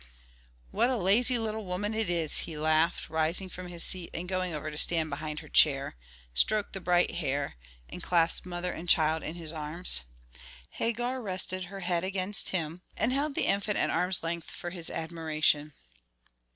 "What a lazy little woman it is," he laughed, rising from his seat and going over to stand behind her chair, stroke the bright hair, and clasp mother and child in his arms. Hagar rested her head against him, and held the infant at arm's length for his admiration.